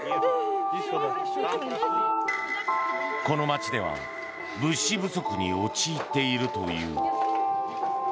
この街では物資不足に陥っているという。